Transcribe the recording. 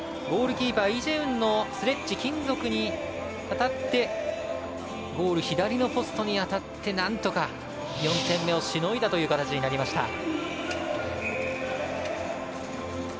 ゴールキーパー、イ・ジェウンのスレッジ、金属に当たってゴール左のポスト当たってなんとか４点目をしのいだという形になりました。